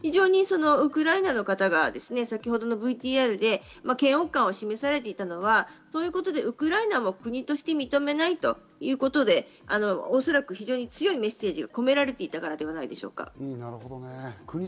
ウクライナの方が先ほどのＶＴＲで嫌悪感を示されていたのは、ウクライナも国として認めないということで、おそらく強いメッセージが込められていたからではないでしょうか。